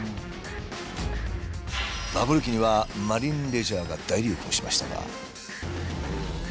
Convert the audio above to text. バブル期にはマリンレジャーが大流行しましたが。